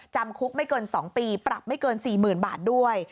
จำคุกไม่เกิน๒ปีปรับไม่เกิน๔๐๐๐บาทด้วย